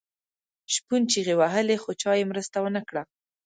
شپون چیغې وهلې خو چا یې مرسته ونه کړه.